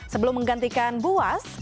sebelum menggantikan buas